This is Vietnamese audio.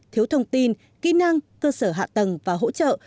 thiếu thông tin kỹ năng cơ sở hạ tầng và hỗ trợ